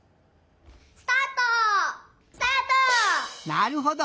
なるほど！